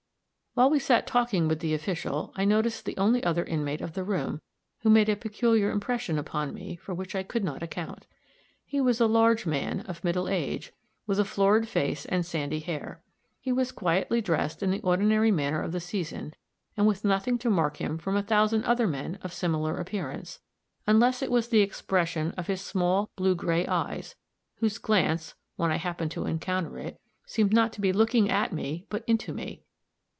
While we sat talking with the official, I noticed the only other inmate of the room, who made a peculiar impression upon me for which I could not account. He was a large man, of middle age, with a florid face and sandy hair. He was quietly dressed in the ordinary manner of the season, and with nothing to mark him from a thousand other men of similar appearance, unless it was the expression of his small, blue gray eyes, whose glance, when I happened to encounter it, seemed not to be looking at me but into me.